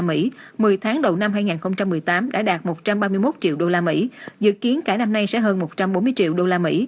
my tháng đầu năm hai nghìn một mươi tám đã đạt một trăm ba mươi một triệu usd dự kiến cả năm nay sẽ hơn một trăm bốn mươi triệu usd